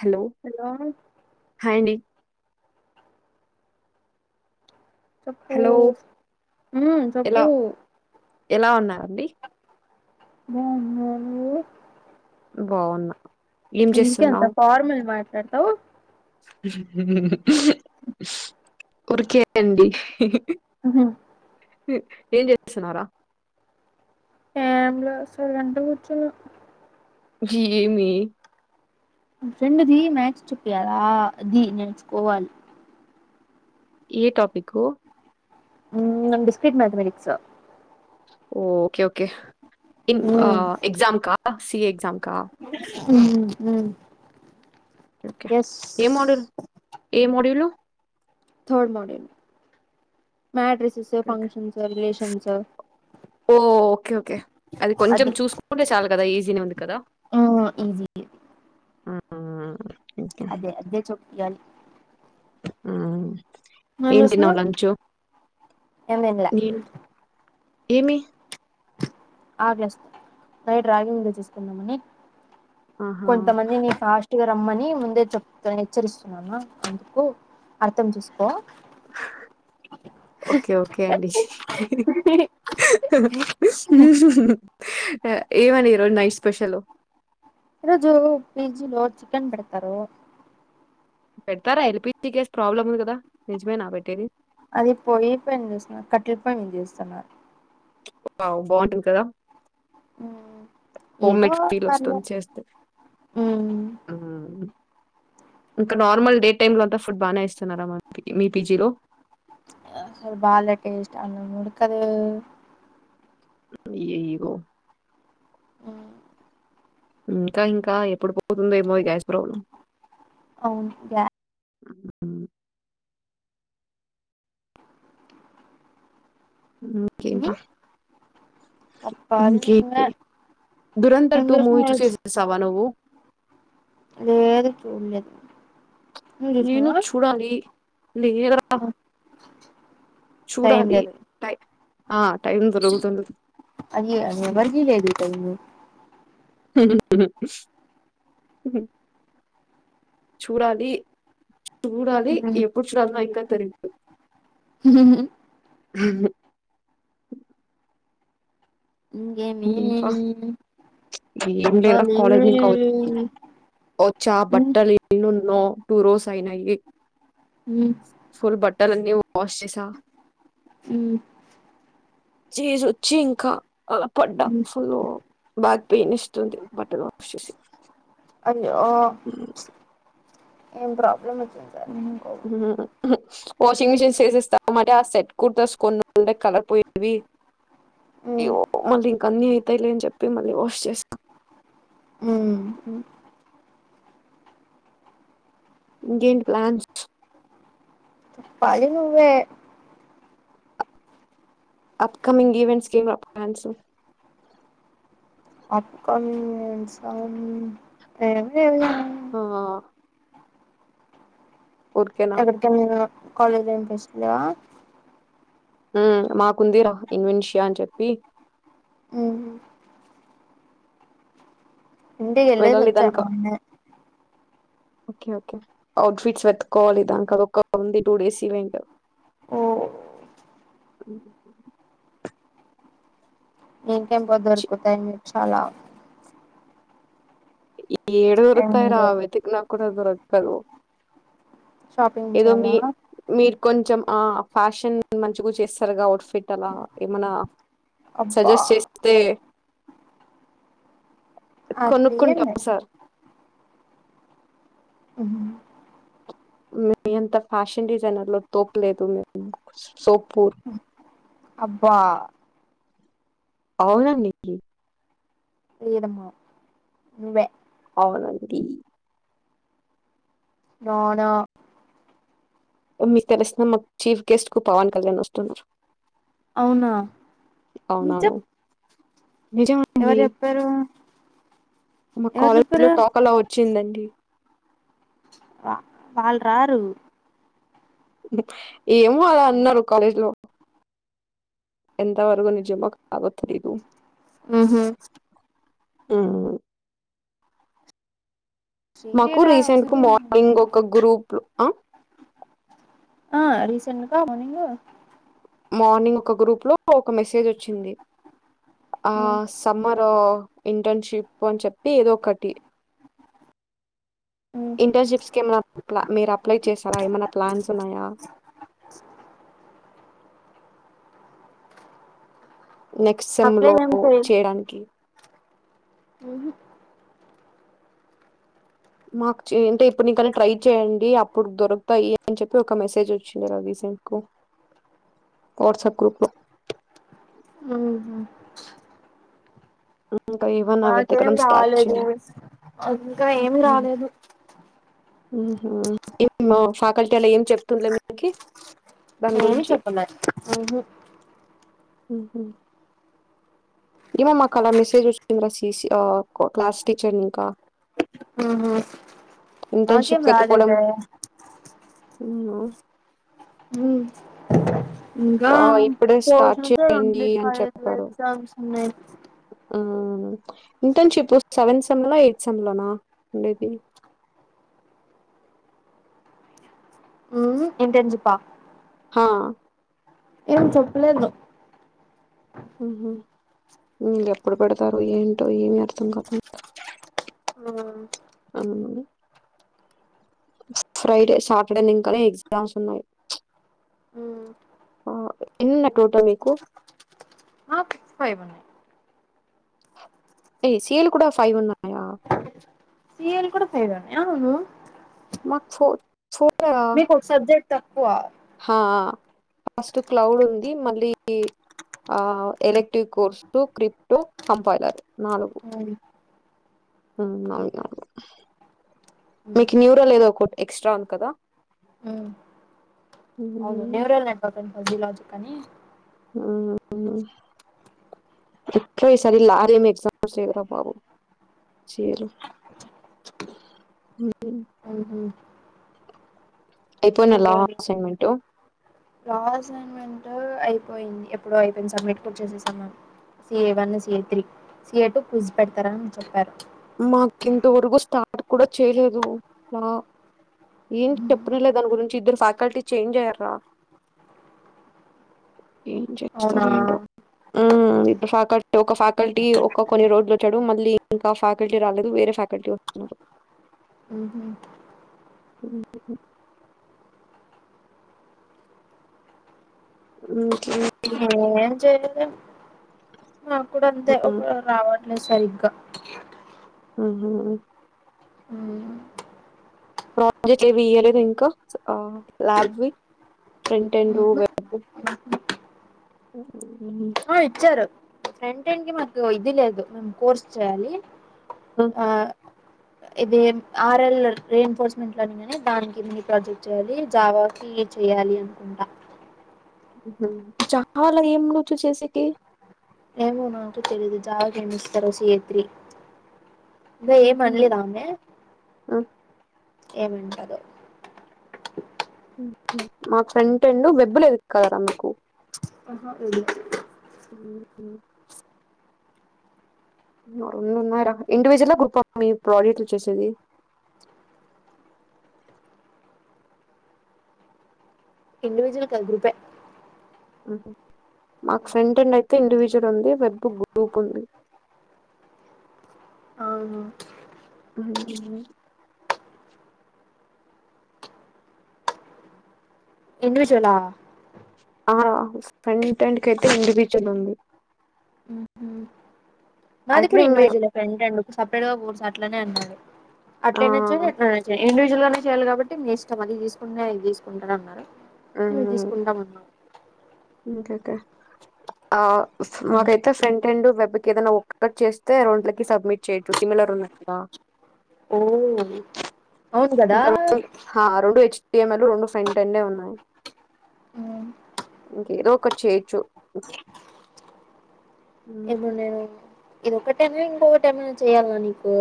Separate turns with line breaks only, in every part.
Hello hi అండి hello ఎలా
మ్
ఎలా ఉన్నారండి
ఉ [unintelligible]
బాగున్నా ఏం
ఇందుక అంత
చేస్తున్నావు
ఫార్మల్ ఎంటవు
ఉర్కేండి ఏం చేస్తున్నారా
కేల సెలంట కూచ
జీ ఏ మీ
ఫ్రెండ్ది మేచ్ చెప్పయాలా అది నేర్చుకోవాలి
ఏ టాపిక్ హు
డిస్క్ర్రిట్ మ్యాథమెటిక్స్
ఓ ఓకే ఓకే ఇన్ ఆ
మ్మ్
ఎగ్జామ్ కా సిఏ ఎగ్జా కా
హమ్ మ్మ
కే ఏ మోడల్ ఏ మోడూలు
థర్డ్ మాడ్యుల మడ్రెస్ ఫంక్షన్స్ రిలేషన్స్
ఓ ఓకే ఓకే అది కొంచెం
అదిజ
చూసుకుంటే చాలు కదా ఈజీనే ఉంది కదా ఆ
అదే అదే చొప్పాల
ఆ ఏం తిన్నావు లంచు
ఏం తినలే
నేను ఏమి
ఆగ్లాస్ తో నైట్ రాగింగ్ చేసుకుందామని.
ఆహా
కొంతమందిని ఫాస్ట్ గా రమ్మని ముందే చెప్ హెచ్చరిస్తున్నామా అందుకు అర్థం చేసుకో
ఓకే ఓకే అండి. ఏమనీ ఈరోజు నైట్ స్పెషలు.
ఈ రోజు పీజీలో చికెన్ పెడతారు.
పెడతారా ఎల్పిజీ గ్యాస్ ప్రాబ్లమ్ ఉంది కదా. నిజమేనా పెట్టేది?
అది పొయ్యి పైన చేస్తున్నారు, కట్టెల పొయ్యి మీద చేస్తు న్నారు.
వావ్ బావుంటుంది కదా.
ఉ
హోమ్ మేడ్ ఫీల్ వస్తుంది చేస్తే.
మ్మ్
ఇంకా నార్మల్ డే టైమ్ లో అంతా ఫుడ్ బాగానే ఇస్తున్నారా మన మీ పీజీలో.
అసలు బాలే టేస్ట్ అన్నం ఉడకదు.
మీరు
అ
ఇంకా ఇంకా ఎప్పుడు పోతుందేమో ఈ గ్యాస్ ప్రాబ్లం.
అవును గ్యా
హుహ్
మ్మ్
ఇంకేంట్రా
చెప్పాలి నువ్వే
ఇంకేంటి
ఏం
దూరంధర్ టూ మూవీ
చేసినావ్ ఈరోజు
చూసేసవా నువ్వు.
లేదు చూడలేదు. నువ్వు
నేను
చూసినావా
చూడాలి. లేద్రా
నాకు
చూడాలి టైం ఆ టైం దొరుకుతుంది.
అయ్యో ఎవరికి లేదు టైం.
హుహ్ చూడాలి. చూడాలి ఎప్పుడు చూడాలి నాకింకా తెలిదు
హ
ఉహు ఇంక ఏంటిరా
ఇంకేమి
ఏం లేదురా
చెప్పాలి
కాలేజ్ వచ్చా బట్టలు [inaudible] నో టూ రోస్ అయినయి.
హ్
ట్టలు ఆన్నీ వాష్ చేసా.
హ్మ్
చేసొచ్చి ఇంకా అలా పడ్డా ఫుల్ బ్యాక్ పెయిన్ ఇస్తుంది. బట్టలు వాష్ చేసి
ఓ చ్ ఏం ప్రాబ్లమ్ మచ్చ ఎందుకో
వాషింగ్ మిషిన్ చేేసి ఇస్తాం. మరి ఆ సెట్ కుర్తాస్ కొన్న కలర్ పోయేట్టివి. అయ్యో [unintelligible] కన్నియ్ తేలిదు అని చెప్పి మళ్ళీ వాష్ చేస్కో హ్మ్ ఇంకేటీ ప్లాన్స్
పది నువ్వే
అప్కమింగ్ ఈవెంట్స్కి ప్లాన్సు
[unintelligible]
ఆ ఊరికేనా?
ఎక్కడికెళ్లినా కాలేజ్ [unintelligible]
మాకుందిరా ఇన్ మనిషయా అని చెప్పి
ఉ హ్మ్ ఇంటికి ఏలేసి వచ్చా మొన్ననే
ఒకే ఒకే అఔట్ఫిట్స్ వెతుకోవాలి. దాంకా ఒక ఉంది టూ డేస్ ఈవెంట్
ఓ ఇంకేం పో
ఛీ!
[unintelligible] మీరు చాలా
ఏడుర్తాయరా వేతికిన్నా కూడా దోరకదూ
షాపింగ్ చేయ్యాలా
మీరు కొంచెం ఆ ఫ్యాషన్ మంచిగ చేస్తారుగా అఔట్ఫిట్ అలా ఏమనా
అబ్బా
సజెస్ట్ చేస్తే
అట్లే
కొనుక్కుంటాం
ఏంలే
సార్.
అ
మియాంత ఫ్యాషన్ డిజైనర్ లో తోప్లేదు. ఒప్పుకోవచ్చు సోపూర్
అబ్బా
అవునా నిక్కి
లేదమ్మా నువ్వే
అవునండి.
నోనో
మీకు తెలిసిన మా చీఫ్ గెస్ట్ కు పవన్ కళ్యాణ్ వస్తున్నారు.
అవునా నిజం
అవునవును. నిజమండి
ఎవరు చెప్పారు
మా
ఎవరు
కాలేజ్ లో
చెప్పారు
టోకలావచ్చ వచ్చిందండి
వా వాళ్ళు రారు
ఏమో అలా అన్నారు కాలేజ్ లో ఎంతవరకు నిజమో కాదో తెలీదు
ఉహు
ఆ మాకు
శ్రీలీల
రీసెంట్ కు
వస్తు
మార్నింగ్ ఒక గ్రూప్
చిన్నకా మార్నింగ్
మార్నింగ్ ఒక గ్రూప్ లో ఒక మెసేజ్ వచ్చింది ఆ
ఉమ్
సమ్మర్ ఇంటర్న్షిప్ పోని చెప్పి ఏదో ఒకటి
ఉమ్
ఇంటర్న్షిప్స్కి ఏమైనా మీరు అప్లై చేస్తారా ఏమైనా ప్లాన్స్ ఉన్నాయా నెక్స్ట్ సెమ్
అప్లై
లో
ఏం చెయ్
చేయడానికి
ఉహు
మాకు ఉంటే ఇప్పుడుకనే ట్రై చేయండి అప్పుడు దొరుకుతాయి. అని చెప్పి ఒక మెసేజ్ వచ్చింది. రీసెంట్ కు వాట్సాప్ గ్రూప్ లో
అహా
ఇంకా ఏమన్నా
మాకేం
వెతకడం స్టార్ట్
రాలేదు
చేయాలి
మూవీస్ ఇంకా ఏం రాలేదు
మా ఫ్యాకల్టీ అలా ఏం చెప్తుండలే మీకి
నేను చెప్పలే ఉహు
హుహు ఏమో మాకు అలా మెసేజ్ వచ్చిందిరా సిసి క్లాస్ టీచర్ని ఇంకా
ఉ నాకేమి రాలేదే ఏ
అవునా
ఉ ఇంకా
ఇప్పుడే స్టార్ట్
పోషన్ తో
చేయండి
కంప్లీట్
అని
కాలేదు
చెప్పారు
ఎగ్జామ్స్ ఉన్నాయి
ఇంటర్న్షిప్ సెవెంత సెమ్ లోనా ఎయిత్ సెమ్ లోనా ఉండేది
ఆ ఇంటర్న్షిప్ ఆ
హా
ఏం చెప్పలేదు
ఉహు ఎప్పుడు పెడతారు ఏంటో ఏమి అర్థం కాదు
ఆ మ్
ఫ్రైడే సాటర్డే నింకానే ఎగ్జామ్స్ ఉన్నాయి
ఉమ్
ఆ ఇన్నన్నాయి టోట మీకు
ఆ ఫిక్స్ ఫైవ్ ఉన్నాయి
ఏ సేల్ కూడా ఫైవ్ ఉన్నా
సియల్ కూడా ఫైవ్ ఉన్నాయా అవును
మాకు ఫోర్ ఫోర్
మీకోక సబ్జెక్ట్ తక్కువ
ఆ ఫస్ట్ క్లౌడ్ ఉంది మళ్ళీ ఆ electric course two crypto compiler నాలుగు [unintelligible] మీకు న్యూరా లేదు ఒకటి ఎక్స్ట్రా ఉంది కదా
ఉ అవును
హ్మ్.
నివరెల్ అపోతు అదిలోజు కానీ
హ్మ్మ్ ఎక్కువ ఈ సారి లారీ బాబు హ్మ్.
అహ [inaudible]
అయిపోయిన లా అసైన్‌మెంటు.
అయిపోయింది ఎప్పుడ అయిపోయింది సబ్మిట్ చేసేసాం CA one CA three CA two quiz పెడతారని చెప్పారు
మాకు ఇంతవరకు స్టార్ట్ కూడా చేయలేదు ఊ ఏం చెప్పనలే దాని గురించి ఇద్దరు ఫ్యాకల్టీ చేంజ్ అయ్యార్ర ఏం
అవునా
చేస్తారా ఏంటో ఆ ఫకల్ ఒక ఫ్యాకల్టీ ఒక కొన్ని రోజులు వచ్చాడు మళ్ళీ ఇంకా ఫ ఫ్యాకల్టీ రాలేదు వేరే ఫ్యాకల్టీ వస్తున్నారు
ఓహు
ఉ [unintelligible]
ఏం చేయనిక నాక్కూడా అంతే ఒక
హ్మ్.
రావాలి అట్లా సరిగ్గా
ఆహా
హ
ప్రాజెక్ట్ ఏవి ఇయలేదు ఇంకా అ ల్యాబ్వి ఫ్రంట్ అండ్ రూ వెబ్
ఆ ఇచ్చారు ఫ్రెంట్ టం కి మాకు ఇది లేదు మేము కోర్స్ చేయాలి
ఆ
ఇది ఆర్ఎల్ రే ఎన్ఫోర్స్మెంట్ లోని కానే దానికి మీ ప్రాజెక్ట్ చేయాలి జావాకి చేయాలి అనుకుంటా
చాలా ఏం రచు చేసకి
ఏమో నాకు తెలిదు జావ హెమిస్ త రశ ఏత్రి అా ఏం
హుహు.
అనలేద అమె
హ్మ్.
ఏమంటారు
మా ఫ్రెంట్ రెండు బెబ్బులు వెబ్ లేదు కదా మీకు
హ తెలీదు
హ రెండున్నర ఇండివిజువల్లా గ్రూపా మీ ప్రాజెక్ట్లు చేసేది.
ఇండివిజువల్ కాదు గ్రూపే.
ఉమ్మ్ మాకు ఫ్రెంట్ ఇన్ అయితే ఇండివిజువల్ ఉంది వెబ్బుక్ గ్రూప్ ఉంది.
అవును
అవునా
ఇండివిజువల్లా
ఆహ్ ఫంట్ ఎండ్కైతే ఇండివిజువల్ ఉంది.
నాది
అట్లే
కూడా
మే
ఇడివిజువలే ఫెంట్ ఎండ్ కు. సపరేట్ గా బూర్స్ అట్లనే అన్నారు.
ఆ
అట్లా నుంచో ఇట్లా నుంచో ఇండ్ ఇలానే చేయాలి కాబట్టి మీ ఇష్టం అది తీసుకునేది ఇది తీసుకుంటార అన్నారు. నువ్వు తీసుకుంటామన్నారు.
ఓకే ఓకే ఆహ్. మాకైతే ఫ్రెంరెండ్ వెబిక్. ఏదైన్న ఒక్కటి చేస్తే రెండ్లకి సబ్మిట్. చైతు సిమిలర్ ఉన్నాయి కదా
ఓ అవును కదా
ఇంకా మొత్తం ఆ రెండు ఇచ్ టిఎంఎల్ రెండు ఫ్రెంటెండ్యే ఉన్నాయి.
ఉమ్
ఎదోకటీ చేయొచ్చు. మ్మ్.
ఏమో నేను. ఇది ఒక్కటైన ఇంకొకటైమైనా చేయాలా నీకు.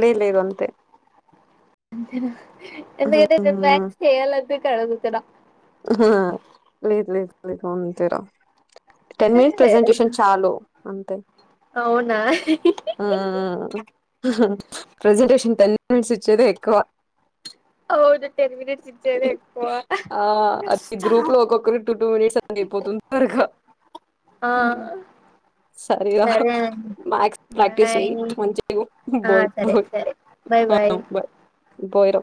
లేదు లేదు అంతే.
అంతేన ఎందుకంటే రేపు
మ్మ్.
మ్యాక్స్ చేయాలనిపి కడవు ఇక్కడ
లేదు లేదు లేదు గమ్ ఇంతేరా టెన్ మినిట్స్
ఏ,
ప్రెసెంటేషన్ చాలు. అంతే
అవునా
ఉమ్ ఊ ప్రజెంటేషన్. టెన్ మినిట్స్ ఇచ్చేదే ఎక్కువ.
అవును టెన్ మినిట్స్ ఇచ్చేదే ఎక్కువ.
ఆహ్ అది గ్రూప్ లో ఒక్కొక్కరి టూ టూ మినిట్స్ అది అయిపోతుంది త్వరగా
ఆ
సరేరా
సరే
మ్యక్స్ ప్రాక్టీస్
బాయ్
చెయి మంచిగా
ఆ
బాయ్
సరే సరే బాయ్
బాయ్. పోయరు.